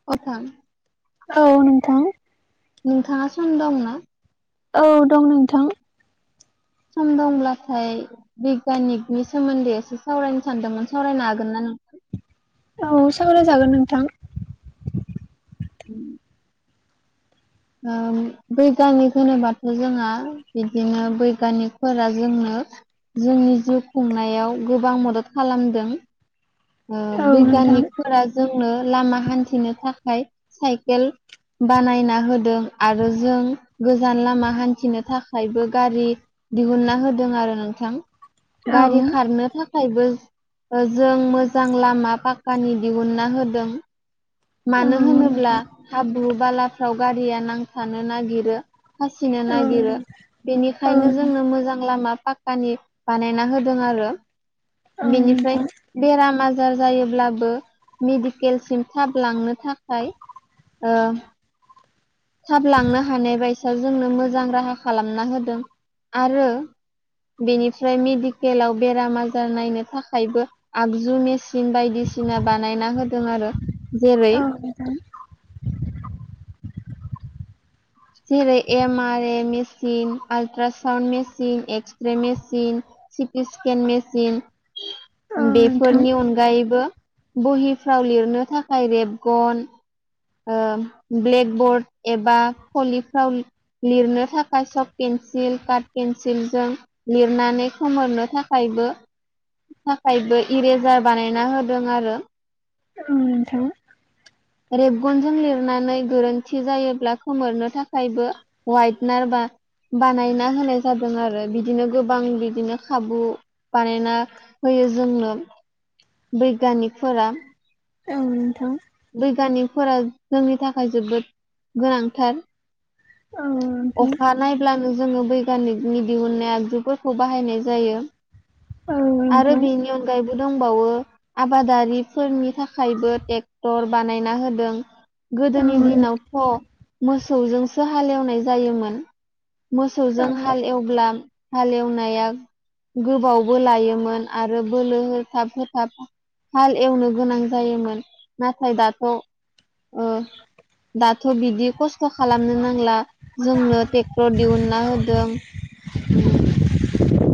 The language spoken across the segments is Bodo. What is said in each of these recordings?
[unintelligible] औ नोंथां नोंथाङा सम दं न औ दं नोंथां सम दंब्लाथाय बिगियानिकनि सोमोन्दै एसे सावरायनो सानदोंमोन सावरायनो हागोन नों औ सावराय जागोन नोंथां उम बैग्यानिक होनोबाथ' जोंहा बिदिनो बैग्यानिकफोरा जोंनो जोंनि जिउ खुंनायाव गोबां मदद खालामदों ओ औ नोंथां बिग्यानिकफोरा जोंनो लामा हान्थिनो थाखाय साइकेल बानायना होदों आरो जों गोजान लामा हान्थिनो थाखायबो गारि दिहुनना होदों आरो नोंथां औ गारि खारनो थाखायबो जों मो जां लामा पाक्कानि दिहुनना होदों औ मानो होनोब्ला नोंथां हाब्रु बालाफ्राव गारिया नांथानो नागिरो फासिनो औ नागिरो औ बेनिखायनो जोंनो मोजां लामा फा कानि बानायना होदों आरो औ बेनिफ्राय नोंथां बेराम आजार जायोब्लाबो मेडिकेलसिम थाब लांनो थाखाय ओ थाब लांनो हानाय बायसआव जोंनो मोजां राहा खालामना होदों आरो बेनिफ्राय मेडिकेलाव बेराम आजार नायनो थाखायबो आगजु मेसि सिन बायदिसिना बानायना होदों आरो जेरै ओम जेरै M R A machine ultrasound machine x-ray machine. CT scan machine. औ नोंथां बेफोरनि अनगायैबो बहिफ्राव लिरनो थाखाय रेबगन ओ ब्लेकबर्ड एबा कलिफ्राव लिरनो थाखाय सक पेन्सिल कार्ड पेन्सिलजों लिरनानै खोमोरनो थाखायबो थाखायबो इरेजार बानायना होदों आरो। ओं नोंथां रेबगनजों लिरनानै गोरोन्थि जायोब्ला खोमोरनो थाखायबो वायथनार बा बानायना होनाय जादों आरो बिदिनो गोबां बिदिनो खाबु बानायना होयो जोंनो बैग्यानिकफोरा। औ नोंथां बैग्यानिकफोरा जोंनि थाखाय जोबोद गोनांथार। औ नोंथां अखा नायब्लानो जोङो बैग्यानिकनि दिहुननाय आगजुफोरखौ बाहायनाय जायो। औ आरो नोंथां बेनि अनगायैबो दंबावो आबादारिफोरनि थाखायबो ट्रेक्टर बानायना होदों। औ गोदोनि दिनावथ' मोसौजोंसो हालेवनाय जायोमोन। औ मोसौजों हालएवब्ला हाल एवनाया गोबावबो लायोमोन आरो बोलो होथाब होथाब हाल एवनो गोनां जायोमोन नाथाय दाथ' ओ दाथ' बिदि खस्थ' खालामनो नांला। जोंनो ट्रेक्टर दिहुनना होदों‌ उम।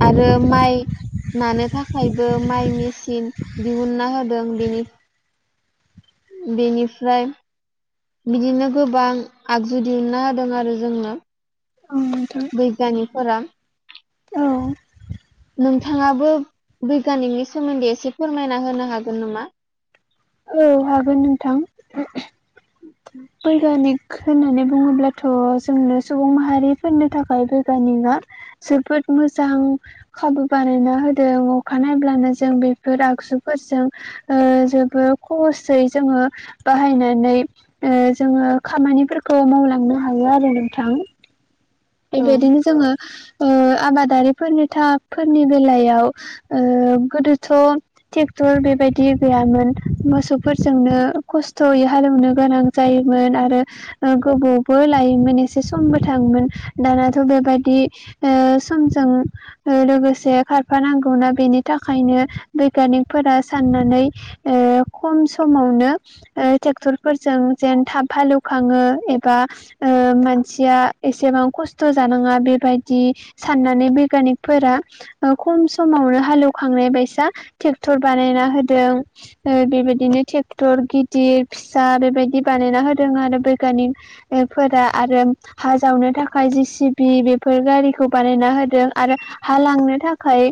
आरो माइ नानो थाखायबो माइ मेसिन दिहुनना होदों बेनि बेनिफ्राय बिदिनो गोबां आगजु दिहुनना होदों आरो जोंनो। [unintelligible] बैग्यानिकफोरा। औ नोंथाङाबो बैग्यानिकनि सोमोन्दै एसे फोरमायना होनो हागोन नामा? औ हागोन नोंथां। [inaudible] बैग्यानिक होननानै बुङोब्लाथ' जोंनो सुबुं माहारिफोरनि थाखाय बैग्यानिकआ जोबोद मोजां खाबु बानायना होदों अखा नायब्लानो जों बेफोर आगजुफोरजों ओ जोबोर खसयै जोङो बाहायनानै ओ जोङो खामानिफोरखौ मावलांनो हायो आरो नोंथां। औ बेबायदिनो जोङो ओ आबादारिफोरनि था फोरनि बेलायाव ओ गोदोथ' ट्रेक्टर बेबायदि गैयामोन मोसौफोरजोंनो खस्थ'यै हालौवनो गोनां जायोमोन आरो ओ गोबावबो लायोमोन एसे समबो थाङोमोन। दानियाथ' बेबादि समजों ओ लोगोसे खारफानांगौनाा बेनि थाखायनो बिैग्यानिकफोरा साननानै ओ खम समावनो ट्रेक्टरफोरजों जेन थाब हालेवखाङो एबा ओ मानसिया एसेबां खस्थ' जानाङा बेबायदि साननानै बिगियानिकफोरा खम समावनो हालेवखांनाय बायसा ट्रेक्टर बानायना होदों ओ बेबायदिनो ट्रेक्टर गिदिर फिसा बेबायदि बानायना होदों आरो बैगयानिक फोर आरो हा जावनो थाखाय खायसे जि सिबि बेफोर गारिखौ बानायना होदों आरो हा लांनो थाखाय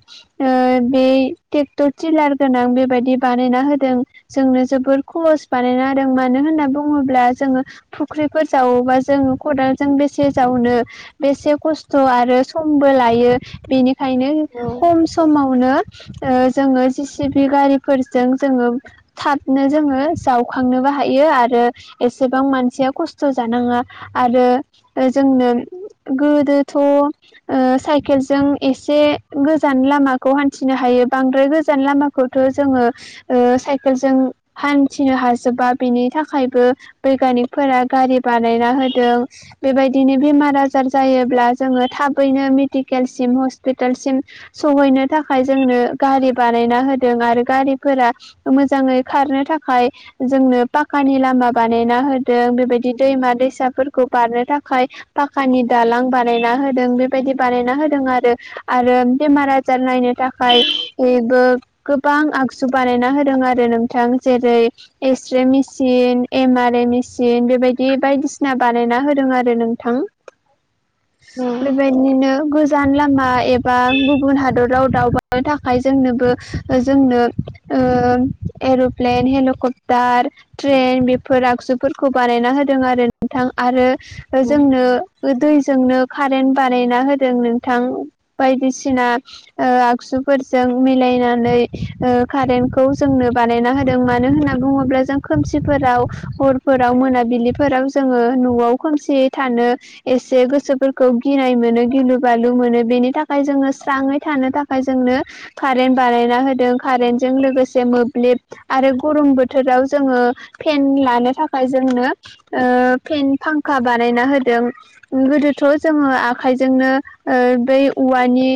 बे ट्रेक्टर थिरिलार गोनां बेबायदि बानायना होदों जोंनो जोबद खहस बानायनादों मानो होनना बुङोब्ला जोङो फुख्रिफोर जावोबा जोंङो खदालजों बेसे जावनो बेसे खस्थ' आरो समबो लायो बेनि ओंखायनो औ खम समावनो ओ जोङो जि सिबि गारिफोरजों जोङो थाबनो जोङो जावखांनोबो हायो आरो एसेबां मानसिया खस्थ' जानाङा आरो जोंनो गोदोथ' ओ साइकेल ज एसे गोजान लामाखौ हान्थिनो हायो बांद्राय गोजान लामा खौथ' जोङो साइकेल जों हान्थिनो हाजोबा बिनि थाखायबो बैगयानिकफोरा गारि बानायना होदों बेबायदिनो बेमार आजार जायोब्ला जोङो थाबैनो मेडिकेलसिम हस्पिटालसिम सहैनो थाखाय जोंनो गारि बानायना होदों आरो गारिफोरा मोजाङै खारनो थाखाय जोंनो पााखानि लामा बानायना होदों बेबायदि दैमा दैसाफोरखौ बारनो थाखाय पाखानि दालां बानायना होदों बेबायदि बानायना होदों आरो आरो बेमारा रिजाल नायनो थाखाय बेबो गोबां आगजु बानायना होदों आरो नोंथां जेरै x-ray machine M R A machine बेबायदि बायदिसिना बानायना होदों आरो नोंथां औ बेबायदि बिदिनो गोजान लामा एबा गुबुन हादराव दावबायनो थाखाय जोंनोबो जोंनो एर'प्लेन हेलिकप्टार ट्रेन बेफोर आगजुफोरखौ बानायना होदों आरो नोंथां आरो जोंनो दैजोंनो कारेन्ट बानायना होदों नोंथां बायदिसिना आगजुफोरजों मिलायनानै कारेन्टखौ जोंनो बानायना होदों मानो होनना बुङोब्ला जों खोमसिफोराव हरफोराव मोनाबिलिफोराव जोङो न'आव खसि थानो एसे गोसो फोरखौ गिनाय मोनो गिलु बालु मोनो बेनि थाखाय जोङो स्राङै थानो थाखाय जोंनो कारेन्ट बानायना होदों कारेन्टजों लोगोसे आरो गरम बोथोराव जोङो फेन लानो थाखाय जोंनो फेन फांखा बानायना होदों गोदोथ' जोङो आखायजोंनो बै औवानि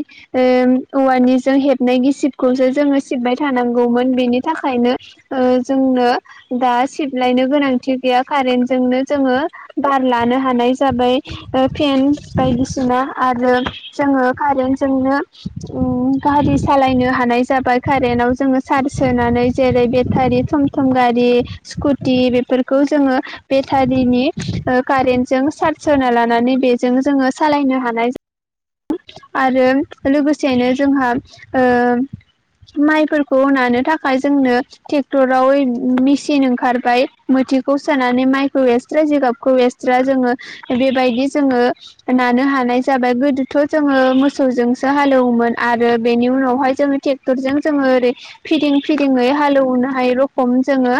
औवानिजों हेबनाय गिसिबखौसो जोङो सिबबाय थानांगौमोन बेनि थाखायनो जोंनो दा सिबलायनो गोनांथि गैया कारेन्टजोंनो जोङो बार लानो हानाय जाबाय फेन बायदिसिना आरो जोङो कारेन्ट जोंनो गारि सालायनो हानाय जाबाय कारेन्टाव जोङो चार्ज होनानै जेरै बेटारि थम थम गारि स्कुटि बेफोरखौ जोङो बेटारिनि कारेन्ट जों सार्ज होना लानानै बेजों जोङो सालायनो हानाय आरो लोगोसेयैनो जोंहा ओ माइफोरखौ नानो थाखाय जोंनो टेक टराव मेसिन ओंखारबाय। मोथिखौ सोनानै माइखौ ट्रा जिगाबखौ एक्सट्रा जोङो बेबायदि जोङो नानो हानाय जाबाय गोदोथ' जोङो मोसौजोंसो हालेवोमोन आरो बेनि उनावहाय जोङो टेक टररजों जोङो ओरै फिदिं फिदिङै हालौनाय रखम जोङो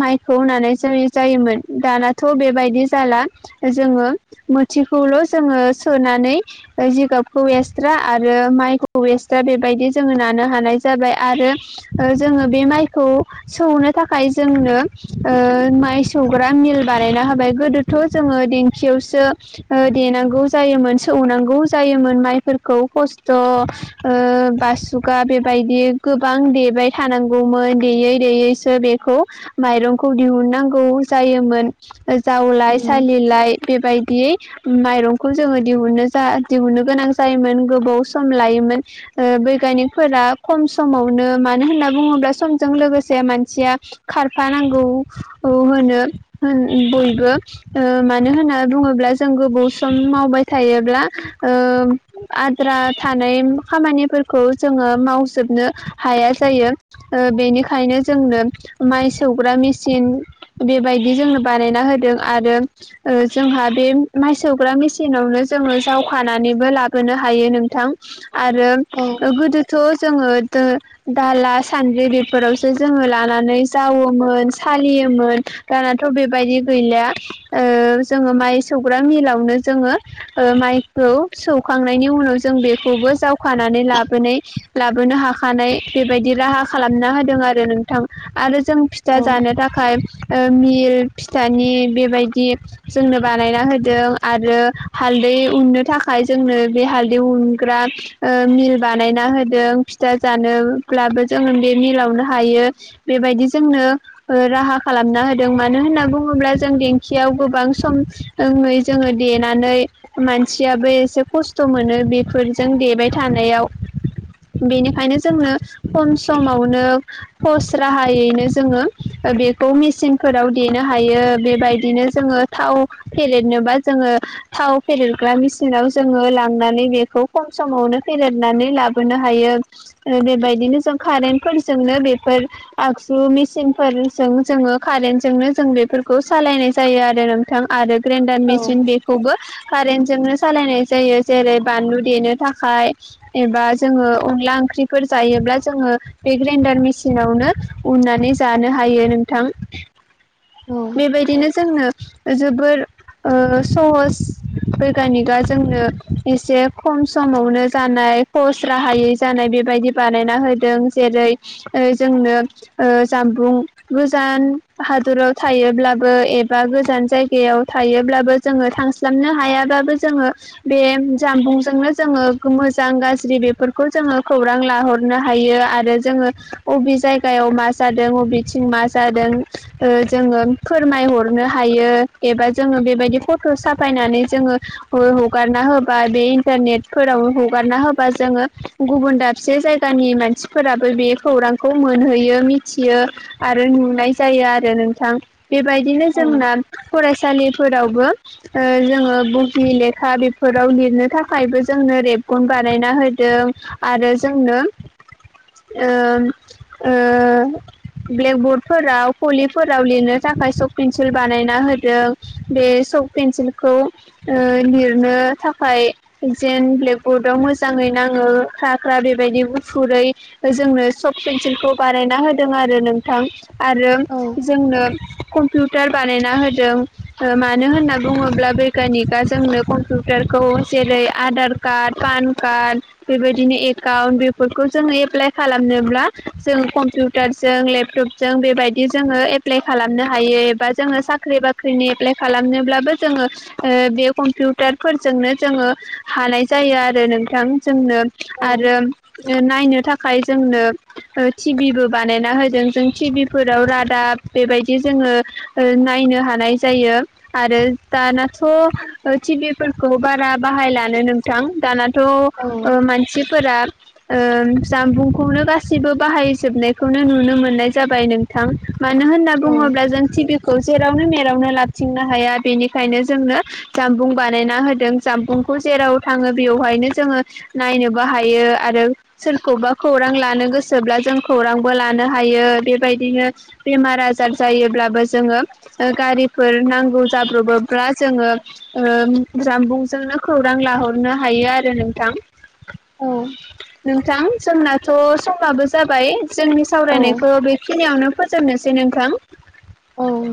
माइखौ होनानै जायोमोन। दानाथ' बेबायदि जाला। जोङो मोथिखौल' जोङो सोनानै जिगाबखौ एसट्रा आरो माइखौ एसट्रा बेबायदि जोङो नानो हानाय जाबाय आरो जोङो बे माइखौ सौनो थाखाय जोंनो माइ सौ ग्रा मिल बानायना होबाय। गोदोथ' जोङो दिेंखियावसो देनांगौ जायोमोन सौनांगौ जायोमोन माइफोरखौ खस्थ' बासुगा बेबायदि गोबां देबाय थानांगौमोन। देयै देयैसो बेखौ माइरंखौ दिहुननांगौ जायोमोन, जावलाय सालिलाय बेबायदियै माइरंखौ जोङो दिहुननो जा दिहुननो गोनां जायोमोन गोबाव सम लायोमोन। बैग्यानिकफोरा खम समावनो मानो होनना बुङोब्ला समजों लोगोसे मानसिया खारफानांगौ होनो होन बयबो। मानो होनना बुङोब्ला जों गोबाव सम मावबाय थायोब्ला ओ आद्रा थानाय खामानिफोरखौ जोङो मावजोबनो हाया जायो। बेनिखायनो जोंनो माइ सौग्रा मिसिन बेबाय बिदि जोंनो बानायना होदों आरो जोंहा बे माइ सौग्रा मेसिनावनो जोङो जावखानानैबो लाबोनो हायो नोंथां। आरो औ गोदोथ' जोङो दो दाला सान्द्रि बेफोरावसो जोङो लानानै जावोमोन सालियोमोन। दानाथ' बेबायदि गैलि जोङो माइ सौग्रा मिलावनो जोङो माइखौ सौखांनायनि उनाव जों बे खौबो जावखानानै लाबोनाय लाबोनो हाखानाय बेबायदि राहा खालामना होदों आरो नोंथां। आरो जों फिथा जानो थाखाय मिल फिथानि बेबायदि जोंनो बानायना होदों आरो हालदै उननो थाखाय जोंनो बे हालदै उनग्रा मिल बानायना होदों फिथा जानोब्लाबो जोङो बे मिलावनो हायो। बेबायदि जोंनो राहा खालामना होदों। मानो होनना बुङोब्ला जों देंखियाव गोबां समै जोङो देनानै मानसियाबो एसे खस्थ' मोनो बेफोरजों देबाय थानायाव। बेनिखायनो जोंनो खम समावनो फस राहायैनो जोङो बे बे मिसिनफोराव देनो हायो। बेबायदिनो जोङो थाव फेलेदनोबा जोङो थाव फेरेदग्रा मेसिनाव जोङो लांनानै बेखौ खम समावनो फेरेदनानै लाबोनो हायो। बेबायदिनो जों कारेन्टफोरजोंनो बेफोर आगजु मिसिनफोर जों जोङो कारेन्टजोंनो जों बेफोरखौ सालायनाय जायो आरो नोंथां आरो ग्रेन्डार मेसिन बे खौबो कारेन्टजोंनो सालायनाय जायो जेरै बानलु देनो थाखाय एबा जोङो अनला ओंख्रिफोर जायोब्ला जोङो बे ग्रेन्डार मेसिनावनो उननानै जानो हायो नोंथां। औ बेबायदिनो जोंनो जोबोर सहस बैगयानिकआ जोंनो एसे खम समावनो जानाय खहस राहायै जानाय बेबायदि बानायना होदों। जेरै जोंनो जामबुं गोजान हादराव थायोब्लाबो एबा गोजान जायगायाव थायोब्लाबो जोङो थांस्लाबनो हायाबाबो जोङो बे जामबुंजोंनो जोङो मोजां गाज्रि बेफोरखौ जोङो खौरां लाहरनो हायो आरो जोङो बबे जायगायाव मा जादों अबेथिं मा जादों ओ जोंङो फोरमायहरनो हायो एबा जोंङो बेबायदि फट' साफायनानै जोंङो बो हगारना होबा बे इन्टारनेटफोराव हगारना होबा जोंङो गुबुन दाबसे जायगा गानि मानसिफोराबो बे खौरांखौ मोनहैयो मिथियो। आरो नुनाय जायो आरो नोंथां बेबायदिनो औ जोंना फरायसालिफोरावबो ओ जोंङो बुगिनि लेखा बेफोराव लिरनो थाखायबो जोंनो रेबगन बानायना होदों। आरो जोंनो ओम ओ ब्लेकबर्डफोराव फोराव लिरनो थाखाय सक पेन्सिल बानायना होदों बे सक पेन्सिलखौ ओ लिरनो था खाय जेन ब्लेकबर्डआव मोजांङै नांङो ख्रा ख्रा बेबायदि गुफुरै जोंनो सफ पेन्सिलखौ बानायना होदों आरो नोंथां आरो औ जोंनो कम्पिउटार बानायना होदों ओ मानो होनना बुंङोब्ला बै कनिकआ जोंनो कम्पिउटारखौ जेरै आधार कार्ड पान कार्ड बेबायदिनो एकाउन्ट बेफोरखौ जोंङो एप्लाइ खालामनोब्ला जोंङो कम्पिउ टारजों लेपटप जों बेबायद दि जोंङो एप्लाइ खालामनो हायो एबा जोंङो साख्रि बाख्रिनि एप्लाइ खालामनोब्लाबो जोंङो ओ बे कम्पिउटारफोरजोंनो जोंङो हानाय जायो आरो नोंथां जोंनो आरो ओ नायनो थाखाय जोंनो टि भि बो बानायना होदों जों टि भि फोराव रादाब बेबायदि जोंङो ओ नायनो हानाय जायो। आरो दानाथ' टि भि फोरखौ बारा बाहायलानो नोंथां दाना थ' औ ओ मानसिफोरा ओ जामबुंखौनो गाैबो बाहायजोबनायखौनो नुनो मोननाय जाबाय नोंथां। मानो होनना बुंङोब्ला जों टि भि खौ खौ जेरावनो मेरावनो लाबथिंनो हाया बेनिखायनो जोंनो जामबुं बानायना होदों। जामबुंखौ जेराव थांङो बेवहायनो जोंङो नायनो बाहायो आरो सोरखौबा खौरां लानो गोसोब्ला जों खौरांबो लानो हायो बेबायद बिदिनो बेमार आजार जायोब्लाबो जोंङो ओ गारिफोर नांगौ जाब्रबोब्ला जोंङो ओन जामबुंजोंनो खौरां लाहरनो हायो आरो नोंथां। नोंथां जोंनाथ' समबाबो जाबाय जोंनि औ सावरायनायखौ बेखिनियावनो फोजोबनोसै नोंथां। औ